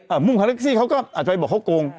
มุมคาเล็กซี่เขาก็อาจจะไปบอกเขาโกง